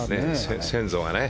先祖がね。